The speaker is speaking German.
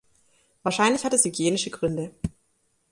Wahrscheinlich hat es hygienische Gründe.